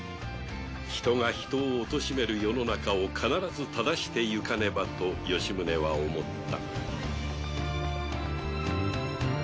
人が人をおとしめる世の中を必ず正してゆかねばと吉宗は思った